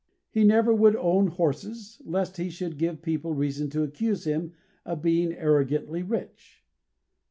He never would own horses lest he should give people reason to accuse him of being arrogantly rich.